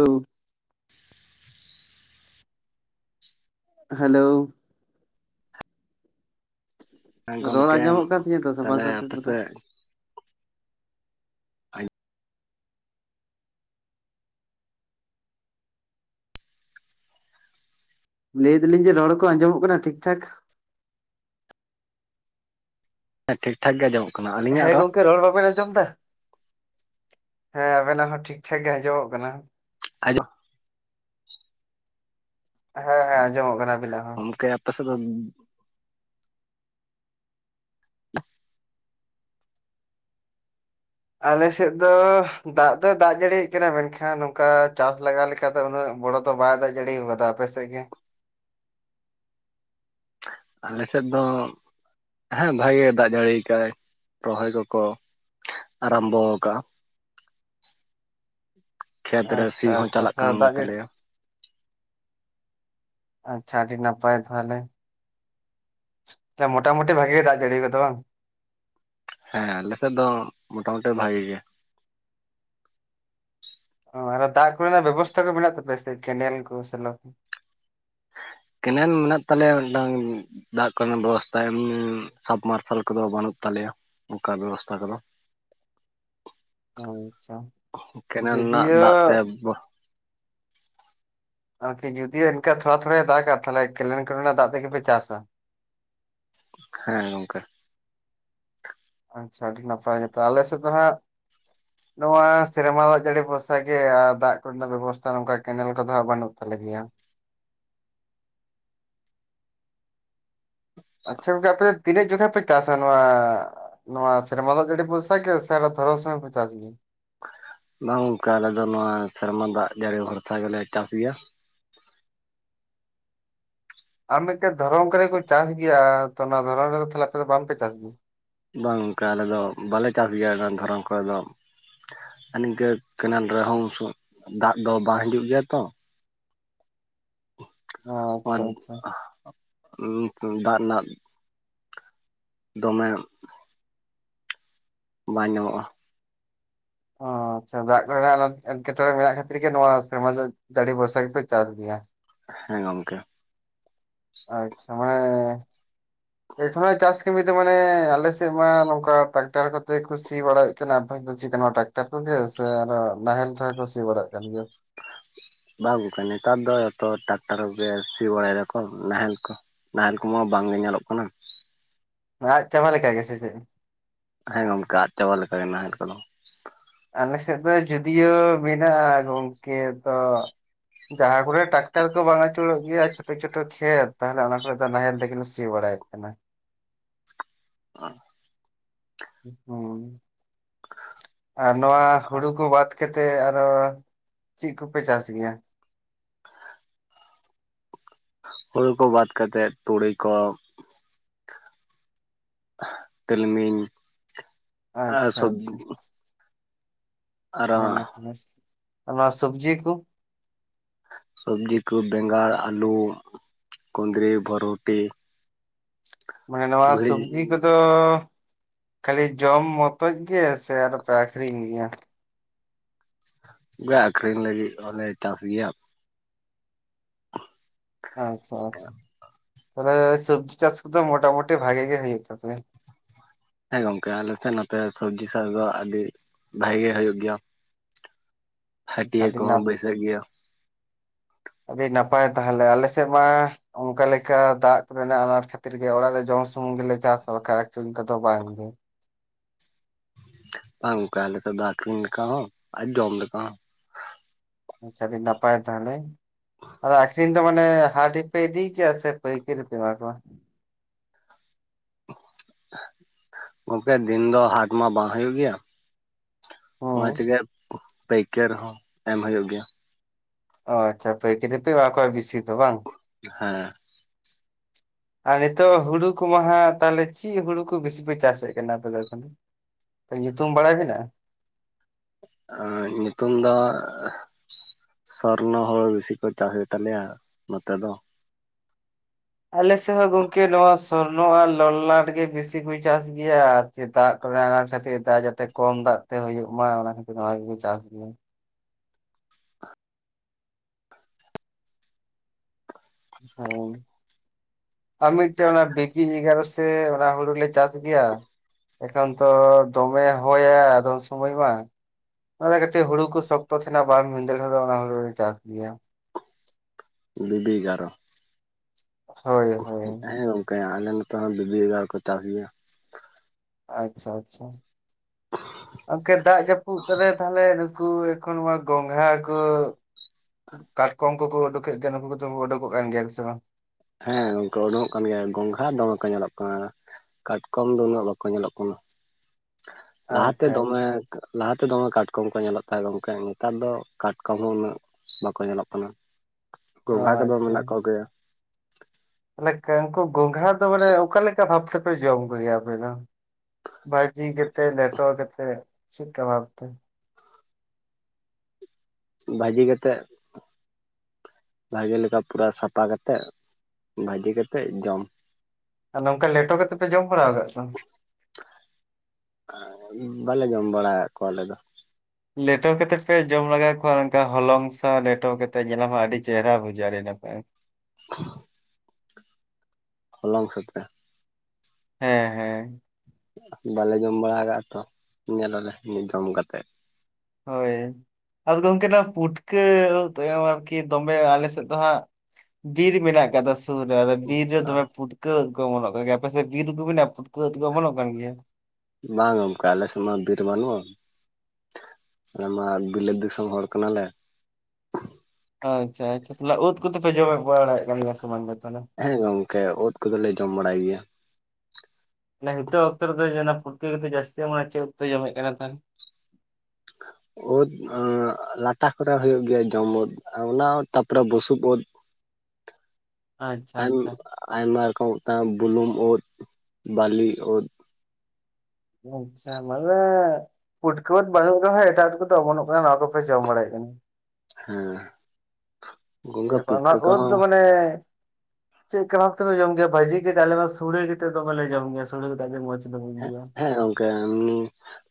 ᱟᱹᱵ hello ᱦᱮᱸ ᱨᱚᱲ ᱜᱚᱢᱠᱮ ᱟᱸᱡᱚᱢᱚᱜ ᱠᱟᱱ ᱛᱤᱧᱟᱹ ᱛᱚ ᱥᱟᱯᱷᱟ ᱛᱟᱦᱚᱞᱮ ᱥᱟᱯᱷᱤ ᱯᱩᱨᱟᱹ ᱟᱯᱮᱥᱮᱫ [unintelligible] ᱞᱟᱹᱭ ᱫᱟᱹᱞᱤᱧ ᱡᱮ ᱨᱚᱲ ᱠᱚ ᱟᱸᱡᱚᱢᱚᱜ ᱠᱟᱱᱟ ᱴᱷᱤᱠ ᱴᱷᱟᱠ ᱦᱮᱸ ᱴᱷᱤᱠ ᱴᱷᱟᱠ ᱜᱮ ᱡᱚᱢᱚᱜ ᱠᱟᱱᱟ ᱟᱹᱞᱤᱧᱟᱜ ᱨᱚᱲ ᱛᱮ ᱨᱚᱲ ᱵᱟᱵᱮᱱ ᱟᱸᱡᱚᱢ ᱫᱟ ᱦᱮᱸ ᱟᱵᱮᱱᱟᱜ ᱦᱚᱸ ᱴᱷᱤᱠ ᱴᱷᱟᱠ ᱜᱮ ᱟᱸᱡᱚᱢᱚᱜ ᱠᱟᱱᱟ ᱟᱡᱚᱢ ᱦᱮᱸ ᱦᱮᱸ ᱟᱸᱡᱚᱢᱚᱜ ᱠᱟᱱᱟ ᱟᱵᱤᱱᱟᱜ ᱦᱚᱸ ᱛᱮᱥᱞᱚᱢᱤᱧ ᱟᱞᱮ ᱥᱮᱫ ᱫᱚ ᱫᱟᱜ ᱫᱚ ᱫᱟᱜ ᱡᱟᱹᱲᱤᱭ ᱮᱫ ᱠᱟᱱᱟ ᱢᱮᱱᱠᱷᱟᱱ ᱱᱚᱝᱠᱟ ᱪᱟᱥ ᱞᱟᱜᱟᱣ ᱞᱮᱠ ᱠᱟᱛ ᱫᱚ ᱩᱱᱟᱹᱜ ᱵᱚᱲᱚ ᱫᱚ ᱵᱟᱭ ᱫᱟᱜ ᱡᱟᱹᱲᱤ ᱠᱟᱫᱟ ᱟᱯᱮ ᱥᱮᱫ ᱜᱮ ᱟᱞᱮ ᱥᱮᱫ ᱫᱚ ᱦᱮᱸ ᱵᱷᱟᱜᱮ ᱫᱟᱜ ᱡᱟᱹᱲᱤᱭ ᱠᱟᱫᱟᱭ ᱨᱚᱦᱚᱭ ᱠᱚᱠᱚ ᱟᱨᱟᱢᱵᱚ ᱟᱠᱟᱜ-ᱟ ᱠᱷᱮᱛ ᱨᱮ ᱥᱤ ᱟᱪᱪᱷᱟ ᱦᱚᱸ ᱟᱪᱪᱷᱟ ᱪᱟᱞᱟᱜ ᱠᱟᱱ ᱛᱟᱦᱚᱞᱮ ᱜᱮ ᱫᱟᱜ ᱡᱟᱹᱲᱤ ᱛᱟᱞᱮᱭᱟ ᱟᱪᱪᱷᱟ ᱟᱹᱰᱤ ᱱᱟᱯᱟᱭ ᱛᱟᱦᱚᱞᱮ ᱢᱚᱴᱟ ᱢᱩᱴᱤ ᱵᱷᱟᱜᱮ ᱜᱮ ᱫᱟᱜ ᱡᱟᱹᱲᱤ ᱠᱟᱫᱟ ᱵᱟᱝ ᱦᱮᱸ ᱟᱞᱮ ᱥᱮᱫ ᱫᱚ ᱢᱚᱴᱟ ᱢᱩᱴᱤ ᱵᱷᱟᱜᱤ ᱜᱮ ᱚ ᱟᱨ ᱫᱟᱜ ᱠᱩ ᱨᱮᱱᱟᱜ ᱵᱮᱵᱚᱥᱛᱟ ᱠᱚ ᱢᱮᱱᱟᱜ ᱛᱟᱯᱮᱭᱟ ᱥᱮ ᱠᱮᱱᱮᱞ ᱠᱚ ᱥᱮᱞᱚ ᱠᱩ ᱠᱮᱱᱮᱞ ᱢᱮᱱᱟᱜ ᱛᱟᱞᱮᱭᱟ ᱢᱤᱫᱴᱟᱝ ᱫᱟᱜ ᱠᱚ ᱨᱮᱱᱟᱜ ᱵᱮᱵᱚᱥᱛᱷᱟ ᱮᱢᱱᱤ ᱥᱟᱵᱢᱟᱨᱥᱟᱞ ᱠᱚᱫᱚ ᱵᱟᱹᱱᱩᱜ ᱛᱟᱞᱮᱭᱟ ᱚᱠᱟ ᱵᱮᱵᱚᱥᱛᱷᱟ ᱠᱚᱫᱚ ᱟᱪᱪᱷᱟ ᱠᱮᱱᱮᱞ ᱨᱮᱱᱟᱜ ᱡᱚᱫᱤᱭᱳ ᱫᱟᱜ ᱛᱮ [inaudible] ᱟᱨᱠᱤ ᱡᱩᱫᱤᱭᱳ ᱤᱱᱠᱟ ᱛᱷᱚᱲᱟ ᱛᱷᱚᱲᱟᱭ ᱫᱟᱜᱟ ᱛᱟᱦᱚᱞᱮ ᱠᱮᱱᱮᱞ ᱠᱚ ᱨᱮᱱᱟᱜ ᱫᱟᱜ ᱛᱮᱜᱮ ᱯᱮ ᱪᱟᱥᱟ ᱦᱮᱸ ᱜᱚᱝᱠᱮ ᱟᱪᱪᱷᱟ ᱟᱹᱰᱤ ᱱᱟᱯᱟᱭ ᱜᱮᱛᱚ ᱟᱞᱮ ᱥᱮᱫ ᱫᱚ ᱦᱟᱸᱜ ᱟᱞᱮ ᱢᱟ ᱥᱮᱨᱢᱟ ᱫᱟᱜ ᱡᱟᱹᱲᱤ ᱵᱷᱚᱨᱥᱟ ᱜᱮ ᱟᱨ ᱫᱟᱜ ᱠᱚ ᱨᱮᱱᱟᱜ ᱵᱮᱵᱚᱥᱛᱷᱟ ᱱᱚᱝᱠᱟ ᱠᱮᱱᱮᱞ ᱠᱚᱫᱚ ᱦᱟᱜ ᱵᱟᱹᱱᱩᱜ ᱛᱟᱞᱮ ᱜᱮᱭᱟ᱾ ᱟᱪᱪᱷᱟ ᱜᱚᱝᱠᱮ ᱟᱯᱮ ᱛᱤᱱᱟᱹᱜ ᱡᱚᱠᱷᱟ ᱯᱮ ᱪᱟᱥᱟ ᱱᱚᱣᱟ ᱱᱚᱣᱟ ᱥᱮᱨᱢᱟ ᱫᱟᱜ ᱡᱟᱹᱲᱤ ᱵᱩᱨᱥᱟ ᱜᱮ ᱥᱮ ᱫᱷᱚᱨᱚᱱ ᱥᱚᱢᱚᱭ ᱯᱮ ᱪᱟᱥ ᱜᱮᱭᱟ ᱵᱟᱝ ᱜᱚᱝᱠᱮ ᱟᱞᱮ ᱫᱚ ᱱᱚᱣᱟ ᱥᱮᱨᱢᱟ ᱫᱟᱜ ᱡᱟᱹᱲᱤ ᱵᱷᱚᱨᱥᱟ ᱜᱮᱞᱮ ᱪᱟᱥ ᱜᱮᱭᱟ ᱟᱨ ᱢᱤᱫ ᱴᱮᱡ ᱫᱷᱚᱨᱚᱱ ᱠᱚᱨᱮ ᱠᱚ ᱪᱟᱥ ᱜᱮᱭᱟ ᱛᱚ ᱱᱚᱣᱟ ᱫᱷᱚᱨᱚᱱ ᱨᱮᱫᱚ ᱛᱟᱦᱚᱞᱮ ᱟᱯᱮ ᱫᱚ ᱵᱟᱝ ᱯᱮ ᱪᱟᱥ ᱜᱮᱭᱟ ᱵᱟᱝ ᱜᱚᱝᱠᱮ ᱟᱞᱮ ᱫᱚ ᱵᱟᱞᱮ ᱪᱟᱥ ᱜᱮᱭᱟ ᱫᱷᱚᱨᱚᱱ ᱠᱚᱨᱮ ᱫᱚ ᱟᱨ ᱱᱤᱝᱠᱟᱹ ᱠᱮᱱᱮᱞ ᱨᱮᱦᱚᱸ ᱩᱱᱥᱩ ᱫᱟᱜ ᱫᱚ ᱵᱟᱝ ᱦᱤᱡᱩᱜ ᱜᱮᱭᱟ ᱛᱚ ᱚ ᱟᱪᱪᱷᱟ ᱟᱪᱪᱷᱟ [unintelligible] ᱫᱟᱜ ᱨᱮᱱᱟᱜ ᱫᱚᱢᱮ ᱵᱟᱝ ᱧᱟᱢᱚᱜ-ᱟ ᱚ ᱟᱪᱪᱷᱟ ᱫᱟᱜ ᱠᱚ ᱨᱮᱱᱟᱜ ᱟᱱᱟᱴ ᱮᱴᱠᱮᱴᱚᱬᱮ ᱢᱮᱱᱟᱜ ᱠᱷᱟᱹᱛᱤᱨ ᱜᱮ ᱱᱚᱣᱟ ᱥᱮᱨᱢᱟ ᱡᱟᱹᱲᱤ ᱵᱷᱚᱨᱥᱟ ᱜᱮᱯᱮ ᱪᱟᱥ ᱜᱮᱭᱟ ᱦᱮᱸ ᱜᱚᱝᱠᱮ ᱟᱡ ᱪᱷᱟᱢᱟᱭᱮ ᱮᱠᱷᱚᱱᱟ ᱪᱟᱥ ᱠᱟᱹᱢᱤ ᱫᱚ ᱢᱟᱱᱮ ᱟᱞᱮᱮᱥᱮᱫ ᱢᱟ ᱱᱚᱝᱠᱟ ᱴᱨᱟᱠᱴᱟᱨ ᱠᱚᱛᱮ ᱠᱚ ᱥᱤ ᱵᱟᱲᱟᱭᱮᱫ ᱠᱟᱱᱟ ᱟᱯᱮ ᱥᱮᱫ ᱫᱚ ᱪᱤ ᱠᱟ ᱱᱚᱣᱟ ᱴᱟᱠ ᱛᱟᱠᱚ ᱜᱮ ᱥᱮ ᱟᱨᱚ ᱱᱟᱦᱮᱞ ᱛᱮᱦᱚᱸ ᱠᱚ ᱥᱤ ᱵᱟᱲᱟᱜ ᱠᱟᱱ ᱜᱮᱭᱟ ᱵᱟᱝ ᱜᱚᱝᱠᱮ ᱱᱮᱛᱟᱨ ᱫᱚ ᱛᱚ ᱴᱟᱠᱴᱟᱨ ᱠᱚᱜᱮ ᱥᱤ ᱵᱟᱲᱟᱭᱮᱫᱟ ᱠᱚ ᱱᱟᱦᱮᱞ ᱠᱚ ᱱᱟᱦᱮᱞ ᱠᱚᱢᱟ ᱵᱟᱝᱜᱮ ᱧᱮᱞᱚᱜ ᱠᱟᱱᱟ ᱟᱫ ᱪᱟᱵᱟ ᱞᱮᱠᱟ ᱜᱮ ᱥᱮ ᱪᱮᱫ ᱦᱮᱸ ᱜᱚᱝᱠᱮ ᱟᱫ ᱪᱟᱵᱟ ᱞᱮᱠᱟ ᱜᱮ ᱱᱟᱦᱮᱞ ᱠᱚᱫᱚ ᱟᱞᱮ ᱥᱮᱫ ᱫᱚ ᱡᱩᱫᱤᱭᱳ ᱢᱮᱱᱟᱜᱼᱟ ᱜᱚᱝᱠᱮ ᱛᱚ ᱡᱟᱦᱟᱸ ᱠᱚᱨᱮ ᱴᱟᱠᱴᱟᱨ ᱠᱚ ᱵᱟᱝ ᱟᱪᱩᱨᱚᱜ ᱜᱮᱭᱟ ᱪᱷᱳᱴᱳ ᱪᱷᱳᱴᱳ ᱠᱷᱮᱛ ᱛᱟᱦᱚᱞᱮ ᱚᱱᱟ ᱠᱚᱨᱮ ᱫᱚ ᱱᱟᱦᱮᱞ ᱛᱮᱜᱮ ᱞᱮ ᱥᱤ ᱥᱮ ᱵᱟᱲᱟᱭᱮᱫ ᱠᱟᱱᱟ [unintelligible] ᱦᱩᱸ ᱟᱨ ᱱᱚᱣᱟ ᱦᱩᱲᱩ ᱠᱚ ᱵᱟᱛ ᱠᱮᱛᱮ ᱟᱨᱚ ᱪᱤᱜ ᱠᱩᱯᱮ ᱪᱟᱥ ᱜᱮᱭᱟ ᱦᱩᱲᱩ ᱠᱚ ᱵᱟᱫ ᱠᱟᱛᱮᱜ ᱛᱩᱲᱤ ᱠᱚ ᱛᱤᱞᱢᱤᱧ ᱟᱨ ᱟᱪᱪᱷᱟ ᱥᱚᱵ ᱟᱪᱪᱷᱟ ᱟᱨᱚ [unintelligible] ᱱᱚᱣᱟ ᱥᱚᱵᱡᱤ ᱠᱩ ᱥᱚᱵᱡᱤ ᱠᱩ ᱵᱮᱸᱜᱟᱲ ᱟᱹᱞᱩ ᱠᱩᱸᱫᱽᱨᱤ ᱵᱷᱚᱨᱵᱷᱚᱴᱤ ᱢᱟᱱᱮ ᱱᱚᱣᱟ ᱥᱚᱵᱡᱤ ᱠᱚ ᱫᱚᱻ ᱠᱷᱟᱹᱞᱤ ᱡᱚᱢ ᱢᱚᱛᱚᱧ ᱜᱮ ᱥᱮ ᱟᱨᱚᱯᱮ ᱟᱠᱷᱨᱤᱧ ᱜᱮᱭᱟ ᱵᱟ ᱟᱹᱠᱷᱨᱤᱧ ᱞᱟᱹᱜᱤᱫ ᱦᱚᱸᱞᱮ ᱪᱟᱥ ᱜᱮᱭᱟ ᱟᱪᱪᱷᱟ ᱟᱪᱪᱷᱟ ᱛᱟᱦᱞᱮ ᱥᱚᱵᱡᱤ ᱪᱟᱥ ᱠᱚᱫᱚ ᱢᱚᱴᱟ ᱢᱩᱴᱤ ᱵᱷᱟᱜᱮ ᱜᱮ ᱦᱩᱭᱩᱜ ᱛᱟᱯᱮᱭᱟ ᱦᱮᱸ ᱜᱚᱝᱠᱮ ᱟᱞᱮᱥᱮᱫ ᱱᱚᱛᱮ ᱥᱚᱵᱡᱤ ᱪᱟᱥ ᱫᱚ ᱟᱹᱰᱤ ᱵᱷᱟᱜᱤ ᱜᱮ ᱦᱩᱭᱩᱜ ᱜᱮᱭᱟ ᱦᱟᱹᱴᱭᱟᱹ ᱟᱹᱰᱤ ᱠᱚᱦᱚᱸ ᱱᱟᱯ ᱵᱟᱹᱭᱥᱟᱹᱜ ᱜᱮᱭᱟ ᱟᱹᱰᱤ ᱱᱟᱯᱟᱭ ᱛᱟᱦᱞᱮ ᱟᱞᱮ ᱥᱮᱫ ᱢᱟ ᱚᱝᱠᱟ ᱞᱮᱠᱟ ᱫᱟᱜ ᱠᱚᱨᱮᱱᱟᱜ ᱟᱱᱟᱴ ᱠᱷᱟᱹᱛᱤᱨ ᱜᱮ ᱚᱲᱟᱜ ᱨᱮ ᱡᱚᱢ ᱥᱩᱢᱩᱝ ᱜᱮᱞᱮ ᱪᱟᱥ ᱟ ᱵᱟᱠᱷᱟᱡ ᱟᱠᱷᱨᱤᱧ ᱠᱚ ᱫᱚ ᱵᱟᱝᱜᱮ ᱵᱟᱝ ᱜᱚᱝᱠᱮ ᱟᱞᱮ ᱥᱮᱫ ᱫᱚ ᱟᱠᱷᱨᱤᱧ ᱞᱮᱠᱟ ᱦᱚᱸ ᱟᱨ ᱡᱚᱢ ᱞᱮᱠᱟ ᱦᱚᱸ ᱟᱪᱪᱷᱟ ᱟᱹᱰᱤ ᱱᱟᱯᱟᱭ ᱛᱟᱦᱞᱮ ᱟᱫᱚ ᱟᱹᱠᱷᱨᱤᱧ ᱫᱚ ᱢᱟᱱᱮ ᱦᱟᱴ ᱯᱮ ᱤᱫᱤᱭ ᱜᱮᱭᱟ ᱥᱮ ᱯᱟᱹᱭᱠᱟᱹᱨᱤ ᱯᱮ ᱮᱢᱟ ᱠᱚᱣᱟ ᱜᱚᱝᱠᱮ ᱫᱤᱱ ᱫᱚ ᱦᱟᱴ ᱢᱟ ᱵᱟᱝ ᱦᱩᱭᱩᱜ ᱜᱮᱭᱟ ᱦᱩᱸ ᱢᱟᱡᱽᱜᱮ ᱯᱟᱹᱭᱠᱟᱹᱨ ᱦᱚᱸ ᱮᱢ ᱦᱩᱭᱩᱜ ᱜᱮᱭᱟ ᱚ ᱟᱪᱪᱷᱟ ᱯᱟᱹᱭᱠᱟᱹᱨᱤ ᱯᱮ ᱮᱢᱟ ᱠᱚᱣᱟ ᱵᱤᱥᱤ ᱫᱚ ᱵᱟᱝ ᱦᱮᱸ [inaudible] ᱟᱨ ᱱᱤᱛᱚᱜ ᱦᱩᱲᱩ ᱠᱚ ᱢᱟᱦᱟᱸᱜ ᱛᱟᱦᱚᱞᱮ ᱪᱤᱫ ᱦᱩᱲᱩ ᱠᱚ ᱵᱮᱥᱤ ᱯᱮ ᱪᱟᱥᱮᱫ ᱠᱟᱱᱟ ᱟᱯᱮ ᱫᱚ ᱮᱠᱷᱚᱱ ᱫᱚ ᱧᱩᱛᱩᱢ ᱵᱟᱲᱟᱭ ᱢᱮᱱᱟᱜᱼᱟ ᱧᱩᱛᱩᱢ ᱫᱚ ᱥᱚᱨᱱᱚ ᱦᱩᱲᱩ ᱵᱮᱥᱤ ᱠᱚ ᱪᱟᱥ ᱜᱮᱛᱟ ᱞᱮᱭᱟ ᱱᱚᱛᱮ ᱫᱚ ᱟᱞᱮᱥᱮ ᱦᱚᱸ ᱜᱚᱝᱠᱮ ᱱᱚᱣᱟ ᱥᱚᱨᱱᱚ ᱟᱨ ᱞᱚᱞᱞᱟᱴ ᱜᱮ ᱵᱮᱥᱤ ᱠᱚ ᱪᱟᱥ ᱜᱮᱭᱟ ᱟᱨ ᱥᱮᱛᱟᱜ ᱠᱷᱚᱱᱟᱜ ᱮᱱᱟᱱ ᱠᱷᱟᱹᱛᱤᱨ ᱫᱟᱜ ᱡᱟᱛᱮ ᱠᱚᱢ ᱫᱟᱜ ᱛᱮ ᱦᱩᱭᱩᱜ ᱢᱟ ᱚᱱᱟ ᱠᱷᱟᱹᱛᱤᱨ ᱱᱚᱣᱟ ᱜᱮᱠᱚ ᱪᱟᱥ ᱜᱮᱭᱟ ᱾ ᱦᱳᱭ ᱟᱨ ᱢᱤᱫᱴᱮᱜ ᱚᱱᱟ ᱵᱮᱠᱤ ᱡᱟᱭᱜᱟ ᱨᱮᱥᱮ ᱚᱱᱟ ᱦᱩᱲᱩ ᱞᱮ ᱪᱟᱥ ᱜᱮᱭᱟ ᱮᱠᱷᱚᱱ ᱛᱚ ᱫᱚᱢᱮ ᱦᱚᱸᱭᱟᱭ ᱟᱫᱚᱢ ᱥᱚᱢᱚᱭ ᱢᱟ ᱚᱱᱟ ᱠᱷᱟᱹᱛᱤᱨ ᱦᱩᱲᱩ ᱠᱚ ᱥᱚᱠᱛᱚ ᱛᱟᱦᱮᱱᱟ ᱵᱟᱝ ᱵᱷᱤᱫᱟᱹᱲ ᱦᱚᱫᱚᱜᱼᱟ ᱚᱱᱟ ᱦᱩᱲᱩ ᱞᱮ ᱪᱟᱥ ᱜᱮᱭᱟ ᱾ ᱵᱤᱵᱤ ᱮᱜᱟᱨᱚ ᱦᱳᱭ ᱦᱳᱭ ᱦᱮᱸ ᱜᱚᱝᱠᱮ ᱟᱞᱮ ᱱᱚᱛᱮ ᱦᱚᱸ ᱵᱤᱵᱤ ᱮᱜᱟᱨᱚ ᱠᱚ ᱪᱟᱥ ᱜᱮᱭᱟ ᱟᱪᱪᱷᱟ ᱟᱪᱪᱷᱟ ᱜᱚᱝᱠᱮ ᱫᱟᱜ ᱡᱟᱹᱯᱩᱫ ᱨᱮ ᱛᱟᱦᱚᱞᱮ ᱱᱩᱠᱩ ᱮᱠᱷᱚᱱ ᱢᱟ ᱜᱚᱝᱜᱷᱟ ᱠᱚ ᱠᱟᱴᱠᱚᱢ ᱠᱚᱠᱚ ᱚᱰᱩᱠᱮᱜ ᱜᱮᱭᱟ ᱱᱩᱠᱩ ᱠᱚᱫᱚ ᱠᱚ ᱩᱰᱩᱠᱚᱜ ᱠᱟᱱ ᱜᱮᱭᱟ ᱥᱮ ᱵᱟᱝ? ᱦᱮᱸ ᱜᱚᱝᱠᱮ ᱩᱰᱩᱠᱚᱜ ᱠᱟᱱ ᱜᱮᱭᱟ ᱾ ᱜᱚᱝᱜᱷᱟ ᱫᱚᱢᱮ ᱠᱚ ᱧᱮᱞᱚᱜ ᱠᱟᱱᱟ, ᱠᱟᱴᱠᱚᱢ ᱫᱚ ᱩᱱᱟᱹᱜ ᱵᱟᱠᱚ ᱧᱮᱞᱚᱜ ᱠᱟᱱᱟ ᱾ ᱞᱟᱦᱟᱛᱮ ᱟᱪᱪᱷᱟ ᱫᱚᱢᱮ ᱟᱪᱪᱷᱟ ᱞᱟᱦᱟᱛᱮ ᱫᱚᱢᱮ ᱠᱟᱴᱠᱚᱢ ᱠᱚ ᱧᱮᱞᱚᱜ ᱛᱟᱦᱮᱸ ᱜᱚᱢᱠᱮ ᱱᱮᱛᱟᱨ ᱫᱚ ᱠᱟᱴᱠᱚᱢ ᱦᱚᱸ ᱩᱱᱟᱹᱜ ᱵᱟᱠᱚ ᱧᱮᱞᱚᱜ ᱠᱟᱱᱟ ᱾ ᱚ ᱜᱚᱸᱝᱜᱷᱟ ᱠᱚᱫᱚ ᱟᱪᱪᱷᱟ ᱢᱮᱱᱟᱜ ᱠᱚᱜᱮᱭᱟ ᱾ ᱛᱟᱦᱮᱞᱮ ᱩᱱᱠᱩ ᱜᱚᱝᱜᱷᱟ ᱫᱚ ᱢᱟᱱᱮ ᱚᱠᱟ ᱞᱮᱠᱟ ᱵᱷᱟᱵ ᱛᱮᱯᱮ ᱡᱚᱢ ᱠᱚᱜᱮᱭᱟ ᱟᱯᱮ ᱫᱚ? ᱵᱷᱟᱹᱡᱤ ᱠᱟᱛᱮᱜ, ᱞᱮᱴᱚ ᱠᱟᱛᱮᱜ, ᱪᱤᱜᱠᱟ ᱵᱷᱟᱵ ᱛᱮ? ᱵᱷᱟᱹᱡᱤ ᱠᱟᱛᱮᱜ ᱵᱷᱟᱜᱤ ᱞᱮᱠᱟ ᱯᱩᱨᱟᱹ ᱥᱟᱯᱷᱟ ᱠᱟᱛᱮᱜ, ᱵᱷᱟᱹᱡᱤ ᱠᱟᱛᱮᱜ ᱡᱚᱢ ᱾ ᱟᱨ ᱱᱚᱝᱠᱟ ᱞᱮᱴᱚ ᱠᱟᱛᱮᱜ ᱯᱮ ᱡᱚᱢ ᱵᱟᱲᱟ ᱟᱠᱟᱫ ᱠᱚᱣᱟ? ᱵᱟᱞᱮ ᱡᱚᱢ ᱵᱟᱲᱟ ᱠᱟᱫ ᱠᱚᱣᱟ ᱟᱞᱮ ᱫᱚ ᱾ ᱞᱮᱴᱚ ᱠᱟᱛᱮᱫ ᱯᱮ ᱡᱚᱢ ᱞᱮᱜᱟᱣ ᱠᱚᱣᱟ ᱱᱚᱝᱠᱟ ᱦᱚᱞᱚᱝ ᱥᱟᱶ ᱞᱮᱴᱚ ᱠᱟᱛᱮᱫ ᱧᱮᱞᱟᱢ ᱦᱟᱜ ᱟᱹᱰᱤ ᱪᱮᱦᱨᱟ ᱵᱩᱡᱟᱷᱟᱜ ᱨᱤ ᱱᱟᱯᱟᱭ ᱾ [inaudible] ᱦᱚᱞᱚᱝ ᱥᱟᱛᱮᱜ? ᱦᱮᱸ ᱦᱮᱸ ᱵᱟᱞᱮ ᱡᱚᱢ ᱵᱟᱲᱟ ᱠᱟᱜᱼᱠᱟᱣᱟ ᱾ ᱧᱮᱞ ᱟᱞᱮ ᱡᱚᱢ ᱠᱟᱛᱮᱜ ᱦᱳᱭ ᱟᱫᱚ ᱾ ᱜᱚᱢᱠᱮ ᱯᱩᱴᱠᱟᱹ ᱟᱨᱠᱤ ᱫᱚᱢᱮ ᱟᱞᱮ ᱥᱮᱫ ᱫᱚ ᱦᱟᱸᱜ ᱵᱤᱨ ᱢᱮᱱᱟᱜ ᱟᱠᱟᱫᱟ ᱥᱩᱨ ᱨᱮ ᱟᱫᱚ ᱵᱤᱨ ᱨᱮ ᱫᱚᱢᱮ ᱯᱩᱴᱠᱟᱹ ᱩᱫ ᱠᱚ ᱚᱢᱚᱱᱚᱜ ᱠᱟᱱ ᱜᱮᱭᱟ ᱾ ᱟᱯᱮᱥᱮᱫ ᱵᱤᱨ ᱠᱚ ᱢᱮᱱᱟᱜ ᱟ ᱯᱩᱴᱠᱟᱹ ᱩᱫ ᱫᱚ ᱠᱚ ᱚᱢᱚᱱᱚᱜ ᱠᱟᱱ ᱜᱮᱭᱟ? ᱵᱟᱝ ᱜᱚᱢᱠᱮ ᱟᱞᱮ ᱥᱮᱫ ᱢᱟ ᱵᱤᱨ ᱵᱟᱹᱱᱩᱜᱼᱟ ᱾ ᱟᱞᱮᱢᱟ ᱵᱤᱞᱟᱹᱛ ᱫᱤᱥᱚᱢ ᱦᱚᱲ ᱠᱟᱱᱟᱞᱮ ᱾ ᱟᱪᱪᱷᱟ ᱟᱪᱪᱷᱟ ᱾ ᱛᱟᱦᱚᱞᱮ ᱩᱫ ᱠᱚᱫᱚ ᱯᱮ ᱡᱚᱢᱮᱫ ᱵᱟᱲᱟᱭᱮᱫ ᱠᱟᱱ ᱜᱮᱭᱟ ᱥᱮ ᱵᱟᱝ ᱫᱚ ᱛᱟᱦᱚᱞᱮ? ᱦᱮᱸ ᱜᱚᱝᱠᱮ ᱚᱫ ᱠᱚᱫᱚᱞᱮ ᱡᱚᱢ ᱵᱟᱲᱟᱭ ᱜᱮᱭᱟ ᱾ ᱱᱤᱛᱚᱜ ᱚᱠᱛᱚ ᱨᱮᱫᱚ ᱯᱩᱴᱠᱟᱹ ᱠᱟᱛᱮ ᱡᱟᱹᱥᱛᱤ ᱚᱢᱚᱱᱚᱜᱼᱟ ᱪᱮᱫ ᱩᱫ ᱠᱚ ᱯᱮ ᱡᱚᱢᱮᱫ ᱠᱟᱱ ᱛᱟᱦᱚᱞᱮ? ᱳᱫ ᱞᱟᱴᱟ ᱠᱚᱨᱮ ᱦᱩᱭᱩᱜ ᱜᱮᱭᱟ ᱡᱚᱢ ᱳᱫ ᱾ ᱚᱱᱟ ᱛᱟᱯᱚᱨᱮ ᱵᱩᱥᱩᱵ ᱳᱫ [inaudible] ᱟᱭ ᱟᱪᱪᱷᱟ ᱟᱭᱢᱟ ᱨᱚᱠᱚᱢ ᱳᱫ ᱛᱟᱦᱮᱱᱟ ᱵᱩᱞᱩᱝ ᱳᱫ, ᱵᱟᱹᱞᱤ ᱳᱫ ᱟᱪᱪᱷᱟ ᱢᱟᱞᱮ ᱯᱩᱴᱠᱟᱹ ᱳᱫ ᱵᱟᱹᱱᱩᱜ ᱨᱮᱦᱚᱸ ᱮᱴᱟᱜ ᱳᱫ ᱠᱚᱫᱚ ᱚᱢᱚᱱᱚᱜ ᱠᱟᱱᱟ ᱱᱚᱣᱟ ᱠᱚᱯᱮ ᱡᱚᱢ ᱵᱟᱲᱟᱭᱮᱫ ᱠᱟᱱᱟ ᱾ ᱦᱮᱸ ᱜᱚᱝᱠᱮ ᱯᱩᱴᱠᱟᱹ ᱳᱫ ᱫᱚ ᱠᱚᱦᱚᱸ ᱢᱟᱱᱮ ᱪᱮᱫ ᱠᱟ ᱵᱷᱟᱵ ᱛᱮᱯᱮ ᱡᱚᱢ ᱜᱮᱭᱟ ᱵᱷᱟᱹᱡᱤ ᱠᱟᱛᱮᱜ ᱟᱞᱮ ᱢᱟ ᱥᱳᱲᱮ ᱠᱟᱛᱮᱜ ᱫᱚᱢᱮ ᱞᱮ ᱡᱚᱢ ᱜᱮᱭᱟ, ᱥᱚᱲᱮ ᱠᱟᱛᱮᱜ ᱟᱹᱰᱤ ᱢᱚᱡᱽ ᱾ ᱦᱮᱸ ᱜᱚᱝᱠᱮ ᱮᱢᱱᱤ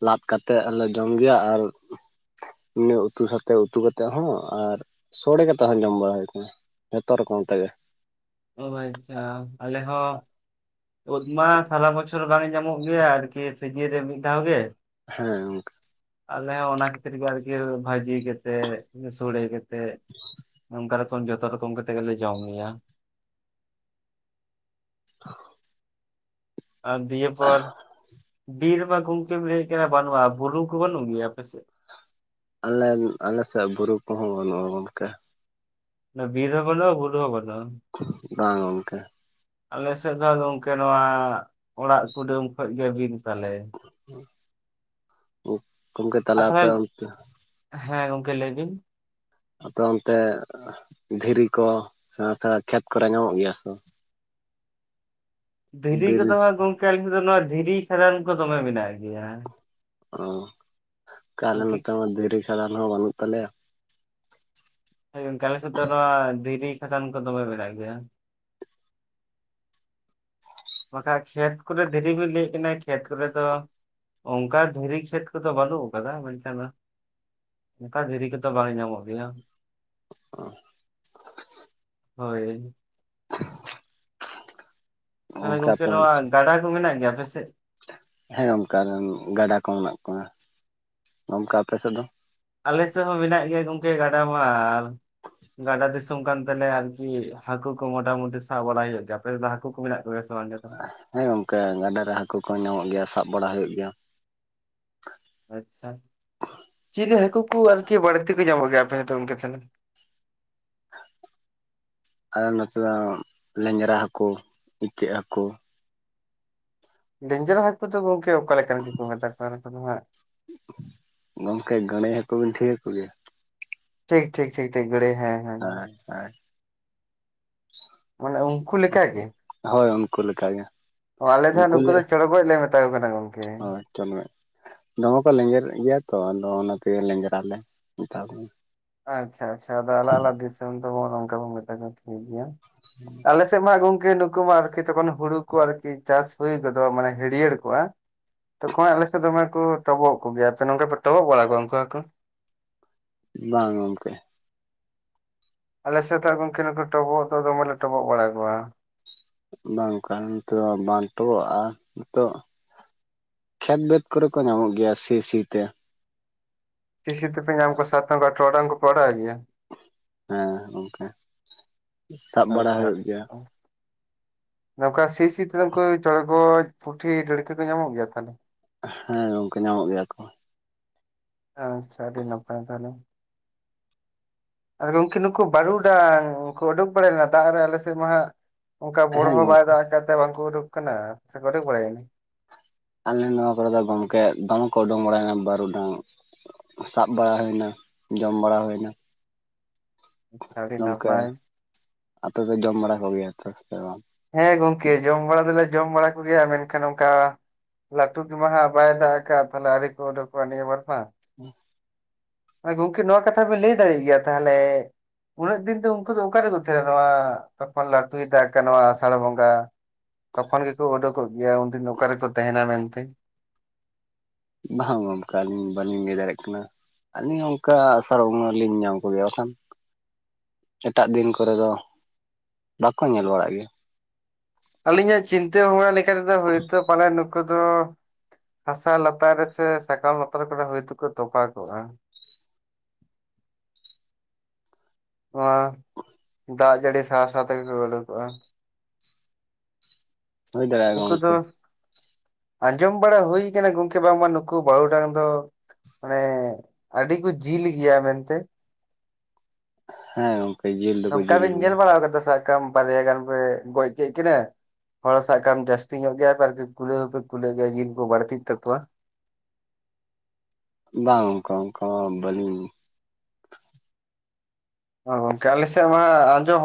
ᱞᱟᱫ ᱠᱟᱛᱮᱫ ᱦᱚᱞᱮ ᱡᱚᱢ ᱜᱮᱭᱟ ᱟᱨ ᱤᱱᱟᱹ ᱩᱛᱩ ᱥᱟᱛᱮ ᱩᱛᱩ ᱠᱟᱛᱮᱜ ᱦᱚᱸ ᱟᱨ ᱥᱚᱲᱮ ᱠᱟᱛᱮᱜ ᱦᱚᱸ ᱡᱚᱢ ᱵᱟᱲᱟ ᱦᱩᱭ ᱟᱠᱟᱱᱟ ᱾ ᱡᱷᱚᱛᱚ ᱨᱚᱠᱚᱢ ᱛᱮᱜᱮ ᱾ ᱚ ᱟᱪᱪᱷᱟ ᱾ ᱟᱞᱮ ᱦᱚᱸ ᱳᱫ ᱢᱟ ᱥᱟᱨᱟ ᱵᱚᱪᱷᱚᱨ ᱵᱟᱝ ᱧᱟᱢᱚᱜ ᱜᱮᱭᱟ ᱟᱨᱠᱤ ᱥᱤᱡᱤᱱ ᱨᱮ ᱢᱤᱫ ᱫᱷᱟᱣ ᱜᱮ ᱾ ᱦᱮᱸ ᱜᱚᱝᱠᱮ ᱟᱞᱮ ᱦᱚᱸ ᱚᱱᱟ ᱠᱷᱟᱛᱤᱨ ᱜᱮ ᱟᱨᱠᱤ ᱵᱷᱟᱹᱡᱤ ᱠᱟᱛᱮᱫ, ᱥᱳᱚᱲᱮ ᱠᱟᱛᱮᱫ ᱱᱚᱝᱠᱟᱚᱠᱚᱢ ᱡᱚᱛᱚ ᱨᱚᱠᱚᱢᱠᱟ ᱛᱮ ᱜᱮᱮᱞᱮ ᱡᱚᱢ ᱢᱮᱭᱟ ᱟᱨ ᱫᱤᱭᱟᱹᱯᱚᱨ ᱵᱤᱨ ᱢᱟ ᱜᱚᱢᱠᱮ ᱞᱟᱹᱭ ᱠᱮᱫ ᱵᱟᱹᱱᱩᱜ-ᱟ ᱵᱩᱨᱩ ᱠᱚ ᱵᱟᱹᱱᱩᱜ ᱜᱮ ᱟᱯᱮ ᱥᱮᱫ ᱟᱞᱮ ᱟᱞᱮᱥᱮᱫ ᱵᱩᱨᱩ ᱠᱚᱦᱚᱸ ᱵᱟᱹᱱᱩᱜᱼᱟ ᱜᱚᱝᱠᱮ ᱚᱱᱟ ᱵᱤᱨ ᱦᱚᱸ ᱵᱟᱹᱱᱩᱜ-ᱟ ᱵᱩᱨᱩ ᱦᱚ ᱵᱟᱹᱱᱩᱜ-ᱟ ᱾ ᱵᱟᱝ ᱜᱚᱝᱠᱮ ᱟᱞᱮ ᱥᱮᱫ ᱫᱚ ᱱᱚᱝᱠᱟᱱᱟᱜ ᱚᱲᱟᱜ ᱠᱩᱰᱟᱹᱢ ᱠᱷᱚᱡ ᱜᱮ ᱵᱤᱨ ᱛᱟᱞᱮ ᱜᱚᱢᱠᱮ ᱛᱟᱦᱚᱞᱮ ᱟᱯᱮ ᱚᱱᱛᱮ ᱦᱮᱸ ᱜᱚᱝᱠᱮ ᱞᱟᱹᱭ ᱵᱤᱱ ᱟᱯᱚᱨ ᱚᱱᱛᱮ ᱫᱷᱤᱨᱤ ᱠᱚ ᱥᱮᱬᱟ ᱥᱮᱬᱟ ᱠᱷᱮᱛ ᱠᱚᱨᱮ ᱧᱟᱢᱚᱜ ᱜᱮᱭᱟ ᱥᱮ ᱵᱟᱝ ᱫᱷᱤᱨᱤ ᱠᱚᱫᱚ ᱵᱤᱨᱤᱥ ᱦᱟᱸᱜ ᱜᱚᱝᱠᱮ ᱟᱞᱮᱥᱮᱫ ᱫᱚ ᱱᱚᱣᱟ ᱫᱷᱤᱨᱤ ᱠᱷᱟᱫᱟᱱ ᱠᱚ ᱫᱚᱢᱮ ᱢᱮᱱᱟᱜ ᱜᱮᱭᱟ ᱾ ᱚ ᱠᱟᱞᱮ ᱟᱨᱠᱤ ᱦᱚᱸᱱᱚᱛᱮ ᱢᱟ ᱫᱷᱤᱨᱤ ᱠᱷᱟᱫᱟᱱ ᱦᱚᱸ ᱵᱟᱹᱱᱩᱜ ᱛᱟᱞᱮᱭᱟ ᱦᱚᱭ ᱜᱚᱝᱠᱮ ᱟᱞᱮ ᱥᱚᱫ ᱫᱚ ᱱᱚᱣᱟ ᱫᱷᱤᱨᱤ ᱠᱷᱟᱛᱟᱱ ᱠᱚᱫᱚᱚᱵᱮ ᱢᱮᱱᱟᱜ ᱜᱮᱭᱟ ᱾ ᱵᱟᱠᱷᱟᱟᱱ ᱠᱷᱮᱛ ᱠᱚᱨᱮ ᱫᱷᱤᱨᱤ ᱵᱤᱱ ᱞᱟᱹᱭᱮᱫ ᱠᱟᱱᱟᱤ ᱠᱷᱮᱛ ᱠᱚᱨᱮ ᱫᱚ ᱚᱱᱠᱟ ᱫᱷᱤᱨᱤ ᱠᱷᱮᱫ ᱠᱚᱫᱚ ᱵᱟᱹᱱᱩᱜ ᱟᱠᱟᱫᱟ ᱢᱮᱱᱠᱷᱟ ᱫᱚ ᱝᱠᱟ ᱫᱷᱤᱨᱤ ᱠᱚᱛᱚ ᱵᱟᱝ ᱧᱟᱢᱚᱜ ᱜᱮᱭᱟ ᱾ [inaudible] ᱦᱳᱭ [inaudible] ᱛᱟᱦᱚᱞᱮ ᱜᱚᱝᱠᱮ ᱟᱯᱮ ᱚᱱᱛᱮ ᱱᱚᱣᱟ ᱜᱟᱰᱟ ᱠᱚ ᱢᱮᱱᱟᱜ ᱜᱮᱭᱟ ᱟᱯᱮᱥᱮᱫ ᱦᱮᱸ ᱚᱱᱠᱟ ᱜᱟᱰᱟ ᱠᱚ ᱢᱮᱱᱟᱜ ᱠᱚᱣᱟ ᱜᱚᱢᱠᱮ ᱟᱯᱮ ᱥᱮᱫ ᱫᱚ ᱟᱞᱮ ᱥᱮᱫ ᱦᱚᱸ ᱢᱮᱱᱟᱜ ᱜᱮᱭᱟ ᱜᱚᱢᱠᱮ ᱜᱟᱰᱟ ᱢᱟ ᱜᱟᱰᱟ ᱫᱤᱥᱚᱢ ᱠᱟᱱ ᱛᱟᱞᱮ ᱟᱨᱠᱤ ᱦᱟᱠᱩ ᱠᱚ ᱢᱚᱴᱟ ᱢᱩᱩᱴᱤ ᱥᱟᱵ ᱵᱟᱲᱟ ᱦᱩᱭᱩᱜ ᱜᱮᱭᱟ ᱛ ᱫᱚ ᱦᱟᱹᱠᱩ ᱠᱚ ᱢᱮᱱᱟᱜ ᱠᱚᱜᱭᱟ ᱥᱮ ᱵᱟᱝᱸᱰᱮᱨᱛᱟᱱ ᱦᱮᱸ ᱜᱚᱝᱠᱮ ᱜᱟᱰᱟ ᱨᱮ ᱦᱟᱹᱠᱩ ᱠᱚᱦᱚᱸ ᱧᱟᱢᱚᱜ ᱜᱮᱭᱟ ᱥᱟᱵ ᱵᱟᱲᱟ ᱦᱩᱭᱩᱜ ᱜᱮᱭᱟ ᱾ ᱟᱪᱪᱷᱟ ᱪᱤᱞᱤ ᱦᱟᱹᱠᱩ ᱠᱚ ᱟᱨᱠᱤ ᱵᱟᱹᱲᱛᱤ ᱠᱚ ᱧᱟᱢᱚᱜ ᱜᱮᱭᱟ ᱟᱯᱮ ᱥᱮᱫᱚ ᱚᱱᱠ ᱛᱟᱦᱮᱱᱟ ᱟᱨ ᱱᱚᱛᱮ ᱫᱚ ᱞᱮᱸᱡᱽᱨᱟ ᱦᱟᱹᱠᱩ ᱤᱪᱟᱹᱜ ᱦᱟᱹᱠᱩ ᱞᱮᱸᱡᱽᱨᱟ ᱦᱟᱹᱠᱩ ᱫᱚ ᱜᱚᱝᱠᱮ ᱚᱠᱟᱞᱮᱠᱟᱱ ᱠᱩᱫ ᱠᱚ ᱢᱮᱛᱟ ᱠᱚ ᱠᱟᱱᱟ ᱦᱟᱜ ᱜᱚᱝᱠᱮ ᱜᱟᱹᱲᱟᱹᱭ ᱦᱟᱹᱠᱩ ᱵᱤᱱ ᱴᱷᱤᱠ ᱟᱠᱠᱚᱜᱭᱟ ᱴᱷᱤᱠ ᱴᱷᱤᱠ ᱴᱷᱤᱠ ᱴᱷᱤᱠ ᱜᱟ. ᱲᱟᱹᱭ ᱦᱮᱸ ᱦᱮᱸ ᱦᱮᱭ ᱦᱮᱭ ᱢᱟᱱᱮ ᱩᱱᱠᱩ ᱞᱮᱠᱟᱟᱜ ᱜᱮ ᱦᱳᱭ ᱩᱱᱠᱩᱠᱟᱜᱮ ᱚ ᱟᱞᱮ ᱫᱚ ᱦᱜ ᱱᱩᱠᱩ ᱫᱚ ᱪᱚᱲᱚ ᱜᱚᱡ ᱞᱮ ᱢᱮᱛᱟ ᱠᱚ ᱠᱟᱱᱟ ᱜᱚᱝᱠᱮ ᱾ ᱦᱳᱭ ᱪᱚᱲ ᱚᱜᱚᱡ ᱫᱚᱢᱮ ᱠᱚ ᱞᱮᱸᱡᱮᱨ ᱜᱮᱭᱟ ᱛᱚ ᱟᱫᱚ ᱚᱱᱟᱛᱮ ᱞᱮᱸᱡᱮᱨᱞᱮ ᱢᱮᱛᱟ ᱠᱚᱣᱟ ᱾ ᱟᱪᱪᱷᱟ ᱟᱪᱪᱷᱟ ᱟᱫᱚ ᱟᱞᱟᱜ ᱟᱞᱟᱜ ᱫᱤᱥᱚᱢ ᱫᱚᱵ ᱱᱚᱝᱠᱟ ᱵᱚᱱ ᱢᱮᱛᱟ ᱠᱚ ᱴᱷᱤᱠ ᱜᱮᱮᱭᱟ ᱟᱞᱮᱥ ᱛᱮ ᱢᱟ ᱜᱚᱝᱠᱮ ᱱᱩᱠᱩ ᱢᱟ ᱟᱨᱠᱤ ᱛᱚᱠᱷᱚᱱ ᱦᱩᱲᱩ ᱠᱚ ᱟᱨᱠᱤ ᱪᱟᱥ ᱦᱩᱭ ᱜᱚᱫᱚᱜ ᱢᱟᱱᱮ ᱦᱟᱹᱨᱭᱟᱹᱲ ᱠᱚᱜᱼᱟ ᱛᱚᱠᱷᱚᱱ ᱟᱞᱮ ᱥᱮ ᱫᱚᱢᱮ ᱠᱚ ᱴᱚᱵᱚᱜ ᱠᱚ ᱜᱮᱭᱟ ᱛᱚ ᱱᱚᱠᱩ ᱴᱚᱵᱚᱜ ᱵᱟᱲᱟ ᱠᱚᱠᱩ ᱠᱚ ᱵᱟᱝ ᱜᱚᱝᱠᱮ ᱟᱞᱮ ᱥᱮᱛᱟᱜ ᱜᱚᱢᱠᱮ ᱱᱩᱠᱩ ᱴᱚᱵᱚᱜ ᱫᱚ ᱫᱚᱢᱮ ᱰᱚᱵᱚᱜ ᱵᱟᱲᱟ ᱠᱚᱣᱟ ᱵᱟᱝᱠᱷᱟᱱ ᱱᱤᱛᱚᱜ ᱵᱟᱸᱴᱚᱚᱜᱼᱟ ᱱᱤᱛᱚᱜ ᱠᱷᱮᱛ ᱵᱟᱹᱛ ᱠᱚᱨᱮ ᱠᱚ ᱧᱟᱢᱚᱜ ᱜᱮᱭᱟ ᱥᱤ ᱥᱤ ᱛᱮ ᱤᱥ ᱥᱤ ᱛᱮᱤᱮ ᱟᱢ ᱠᱚ ᱥᱟᱛ ᱴᱠᱟ ᱴᱴ ᱴᱟᱟᱝ ᱠᱚ ᱯᱚᱲᱟ ᱟᱜᱭᱟ ᱦᱮᱸ ᱜᱚᱢᱠᱮ ᱟᱪᱪᱷᱟ ᱴᱷᱤᱠ ᱱᱚᱝᱠᱟ ᱥᱤ ᱥᱤ ᱛ ᱩᱱᱠᱩ ᱪᱚᱲᱜᱚᱚᱡ ᱯᱩᱴᱷᱤ ᱰᱟᱹᱲᱠᱤ ᱠᱚ ᱧᱟᱢᱚᱜ ᱜᱮᱭᱟ ᱛᱟᱦᱚᱞᱮ ᱦᱮᱸ ᱜᱚᱝᱠᱮ ᱧᱟᱢᱚᱜ ᱜᱮᱭᱟ ᱠᱚ ᱟᱪᱪᱷᱟ ᱟᱹᱰᱤ ᱱᱟᱯᱟᱭ ᱛᱟᱦᱞᱮ ᱟᱨ ᱜᱚᱢᱠᱮ ᱱᱩᱠᱩ ᱵᱟᱹᱨᱩᱰᱟᱝ ᱩᱱᱠᱩ ᱩᱰᱩᱠ ᱵᱟᱲᱟᱟᱭ ᱞᱮᱱᱟ ᱫᱟᱜ ᱨᱮ ᱟᱞᱮ ᱥᱮᱫ ᱢᱟ ᱦᱜ ᱚᱱᱠᱟ ᱵᱚᱲᱚ ᱦᱮᱸ ᱦᱚᱸ ᱵᱟᱭ ᱜᱚᱝᱠᱮ ᱫᱟᱜᱛᱮ ᱵᱟᱝᱠᱚ ᱩᱰᱩᱠ ᱟᱠᱟᱱᱟ ᱥᱮ ᱠᱚᱨᱮ ᱵᱟᱲᱟᱭᱱᱟ ᱟᱞᱮ ᱱᱚᱣᱟ ᱠᱚᱨᱮ ᱫᱚ ᱜᱚᱝᱠᱮ ᱫᱚᱢᱮ ᱠᱚ ᱩᱰᱩᱠ ᱵᱟᱲᱟᱭᱮᱱᱟ ᱵᱟᱨ ᱩᱰᱟᱝ ᱥᱟᱵ ᱵᱟᱲᱟ ᱦᱩᱭᱱᱟ ᱡᱚᱢ ᱵᱟᱲᱟ ᱦᱩᱭᱱᱟ ᱾ [inaudible] ᱜᱚᱝᱠᱮ ᱱᱟᱯᱟᱭ ᱟᱯᱮ ᱯᱮ ᱡᱚᱢ ᱵᱟᱲᱟ ᱠᱚᱜᱮᱭᱟ ᱪᱚ ᱵᱟᱝ ᱦᱮᱸ ᱜᱚᱝᱠᱮ ᱡᱚᱢ ᱵᱟᱲᱟ ᱫᱚᱞᱮ ᱡᱚᱢ ᱵᱟᱲᱟ ᱠᱚᱜᱮᱭᱟ ᱢᱮᱱᱠᱷᱟᱱ ᱚᱱᱠᱟ ᱞᱴᱩᱠᱤ ᱢᱟᱦᱟ ᱵᱟᱭ ᱫᱟᱠᱟ ᱛᱟᱦᱮ ᱟᱨᱲ ᱠᱚ ᱚᱲ ᱠᱚ ᱵᱟᱨᱢᱟᱟ [inaudible] ᱜᱚᱝᱠᱮ ᱱᱚᱣᱟ ᱠᱟᱛᱷᱟ ᱵᱮᱮᱱ ᱞᱟᱹᱭ ᱫᱟᱲᱮᱭᱟᱜ ᱜᱮᱭᱟ ᱛᱟᱦᱚᱞᱮ ᱩᱱᱟᱹᱜ ᱫᱤᱱ ᱫᱚ ᱩᱱᱠᱩ ᱫᱚ ᱚᱠᱟᱨᱮᱠᱚ ᱛᱟᱦᱮᱱᱟ ᱱᱚᱣᱟ ᱛᱟᱨᱠᱷᱚᱱ ᱞᱟᱹᱴᱩᱭ ᱫᱟᱜ ᱠᱟᱱᱟ ᱱᱚᱣᱟ ᱟᱥᱟᱲ ᱵᱚᱸᱜᱟ ᱛᱠᱷᱚᱱ ᱜᱮᱠᱚ ᱚᱰ ᱠᱚ ᱜᱮᱭᱟ ᱱᱚᱠᱟᱨ ᱠᱚᱠᱚ ᱛᱟᱦᱮᱦᱱᱟ ᱢᱮᱱᱛᱮ ᱵᱟᱝᱞᱤ ᱞᱟᱹᱭ ᱫᱟᱲᱮᱭᱟᱜ ᱠᱟᱱᱟ ᱟᱹᱞᱤᱧ ᱚᱱᱠᱟ ᱥᱟᱨᱟᱜ ᱵᱚᱸᱜᱟ ᱞᱤᱧ ᱧᱟᱢ ᱠᱚᱜᱮᱭᱟ ᱵᱟᱠᱷᱟᱱ ᱮᱴᱟᱜ ᱫᱤᱱ ᱠᱚᱨᱮ ᱫᱚ ᱵᱟᱠᱚ ᱧᱮᱞ ᱵᱟᱲᱟᱜ ᱜᱮᱭᱟ ᱟᱹᱞᱤᱧᱟᱜ ᱪᱤᱱᱛᱟᱹ ᱵᱷᱟᱵᱽᱱᱟ ᱞᱮᱠᱟᱛᱮᱫᱚ ᱦᱳᱭ ᱛᱟ ᱯᱟᱞᱮ ᱱᱩᱠᱩ ᱫᱚ ᱦᱟᱥᱟ ᱞᱟᱛᱟᱨ ᱨᱮ ᱥᱮ ᱥᱟᱠᱟᱢ ᱞᱟᱛᱟᱨ ᱠᱚᱨᱮ ᱦᱳᱭ ᱛᱚᱠᱚ ᱛᱚᱯᱟ ᱠᱚᱜᱼᱟ ᱱᱚᱣᱟ ᱫᱟᱜ ᱡᱟᱹᱲᱤ ᱥᱟᱶ ᱥᱟᱶ ᱛᱮᱜᱮ ᱠᱟ ᱩᱰᱩᱜᱚᱜᱼᱟ ᱦᱩᱭ ᱫᱟᱲᱮᱭᱟᱜᱼᱟ ᱱᱩᱠᱩ ᱫᱚ ᱜᱚᱝᱠᱮ ᱟᱸᱡᱚᱢ ᱵᱟᱲᱟ ᱦᱩᱭ ᱟᱠᱟᱱᱟ ᱜᱚᱝᱠᱮ ᱵᱟᱝᱢᱟ ᱱᱩᱠᱩ ᱵᱟᱹᱲᱩ ᱴᱟᱝ ᱫᱚ ᱢᱟᱱᱮ ᱟᱹᱰᱤ ᱠᱚ ᱡᱤᱞ ᱜᱮᱭᱟ ᱢᱮᱱᱛᱮ ᱦᱮᱸ ᱜᱚᱝᱠᱮ ᱡᱤᱞ ᱫᱚᱠᱚ ᱱᱚᱝᱠᱟ ᱡᱤᱞ ᱵᱤᱱ ᱜᱮᱭᱟ ᱧᱮᱞ ᱵᱟᱲᱟ ᱟᱠᱟᱫᱟ ᱥᱟᱵ ᱠᱟᱜ ᱢᱮ ᱵᱟᱨᱭᱟ ᱜᱟᱱ ᱯᱮ ᱜᱚᱡ ᱠᱮᱜ ᱠᱤᱱᱟᱹ ᱦᱚᱲ ᱥᱟᱵ ᱠᱟᱜ ᱡᱟᱹᱥᱛᱤ ᱧᱚᱜ ᱜᱮᱭᱟ ᱟᱨᱠᱤ ᱠᱩᱞᱟᱹ ᱦᱚᱸᱯᱮ ᱠᱩᱞᱟᱹᱜᱣ ᱜᱮᱭᱟ ᱡᱤᱭᱵ ᱠᱚ ᱵᱟᱹᱲᱛᱤᱜ ᱛᱟᱠᱚᱣᱟ ᱵᱟᱝ ᱟᱱᱠᱚ ᱚᱱᱠᱚ ᱵᱚᱞᱤᱧ ᱚ ᱜᱚᱝᱠᱮ ᱟᱞᱮ ᱥᱮ ᱢᱟ ᱟᱸᱡᱚᱢ